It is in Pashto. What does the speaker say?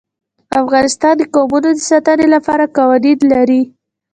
افغانستان د قومونه د ساتنې لپاره قوانین لري.